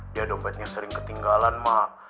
dia dompetnya sering ketinggalan mak